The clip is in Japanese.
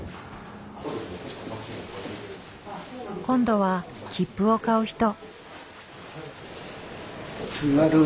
今度は切符を買う人。